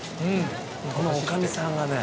この女将さんがね。